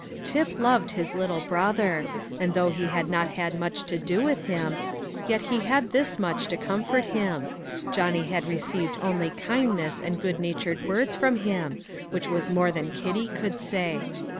Tip loved his little brother, and though he had not had much to do with him, yet he had this much to comfort him, Johnny had received only kindness and good natured words from him, which was more than Kitty could say.